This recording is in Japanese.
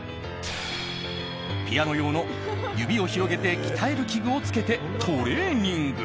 ピアノ用の指を広げて鍛える器具をつけてトレーニング。